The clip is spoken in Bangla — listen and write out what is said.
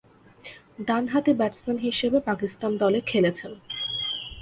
ডানহাতি ব্যাটসম্যান হিসেবে পাকিস্তান দলে খেলছেন।